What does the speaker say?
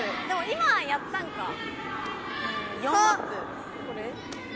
でも、今やったのか。